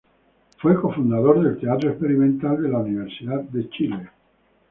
Fue co-fundador del teatro experimental de la Universidad de Chile.